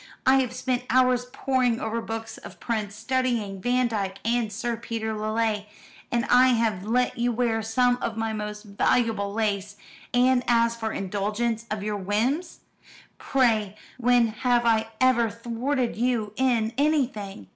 I have spent hours poring over books of prints, studying Vandyke and Sir Peter Lely, and I have let you wear some of my most valuable lace; and as for indulgence of your whims! Pray when have I ever thwarted you in anything?"